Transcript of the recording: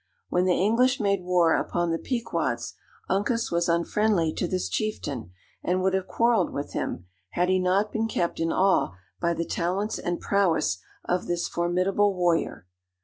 When the English made war upon the Pequods, Uncas was unfriendly to this chieftain, and would have quarrelled with him, had he not been kept in awe by the talents and prowess of this formidable warrior.